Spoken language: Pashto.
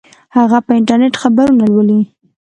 هغه په انټرنیټ خبرونه لولي